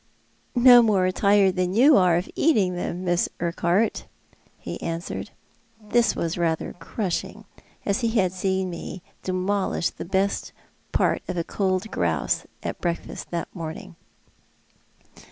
" No more tired than you are of eating them, Miss Urquhart,'' he answered. This was rather crushing, as he had seen mo demolish the best part of a cold grouse at breakfast that morning.